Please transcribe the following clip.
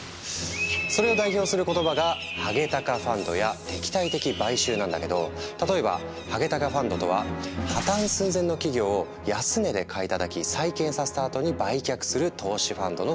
それを代表する言葉が「ハゲタカファンド」や「敵対的買収」なんだけど例えばハゲタカファンドとは破綻寸前の企業を安値で買いたたき再建させたあとに売却する投資ファンドの総称。